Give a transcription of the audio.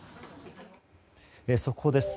速報です。